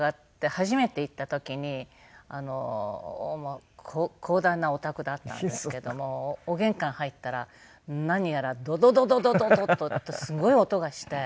初めて行った時に広大なお宅だったんですけどもお玄関入ったら何やらドドドドド！ってすごい音がして。